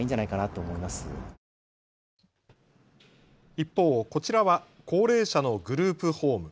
一方、こちらは高齢者のグループホーム。